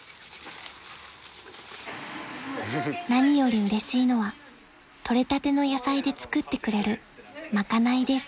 ［何よりうれしいのは取れたての野菜で作ってくれるまかないです］